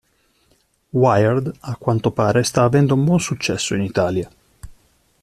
Wired a quanto pare sta avendo un buon successo in Italia.